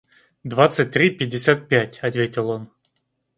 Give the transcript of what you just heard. – Двадцать три пятьдесят пять, – ответил он.